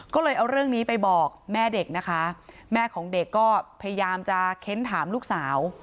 ก็เลยเอาเรื่องนี้ไปบอกแม่เด็กนะคะแม่ของเด็กก็พยายามจะเค้นถามลูกสาว